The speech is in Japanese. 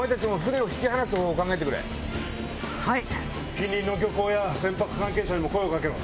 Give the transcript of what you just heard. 近隣の漁港や船舶関係者にも声を掛けろ。